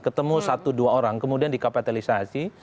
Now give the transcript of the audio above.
ketemu satu dua orang kemudian dikapitalisasi